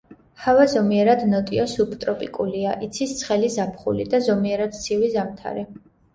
ჰავა ზომიერად ნოტიო სუბტროპიკულია; იცის ცხელი ზაფხული და ზომიერად ცივი ზამთარი.